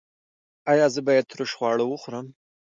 ایا زه باید ترش خواړه وخورم؟